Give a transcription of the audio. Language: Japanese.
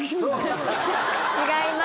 違います。